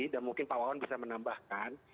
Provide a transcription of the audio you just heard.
dan mungkin pak wawan bisa menambahkan